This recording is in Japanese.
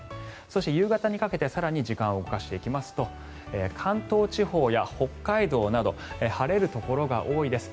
そして夕方にかけて更に時間を動かしていきますと関東地方や北海道など晴れるところが多いです。